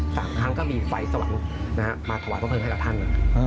สามครั้งก็มีไฟสว่างนะครับมาถวายพระเพลิงให้กับท่าน